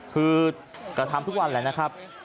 คือกระทำทุกวันแหละนะครับ